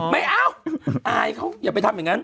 ไม่เอาอายเขาอย่าไปทำอย่างนั้น